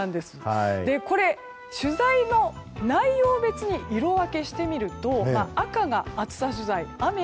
これ、取材の内容別に色分けしてみると赤が暑さ取材